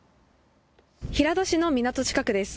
平戸市の港近くです。